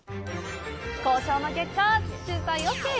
交渉の結果、取材ＯＫ！